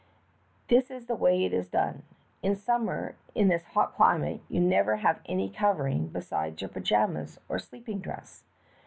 "This is the way it is done. In summer in this hot elimate you never have any eovering besides your pajamas, or sleeping dress.